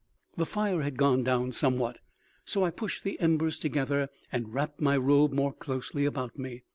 The fire had gone down somewhat, so I pushed the embers together and wrapped my robe more closely about me.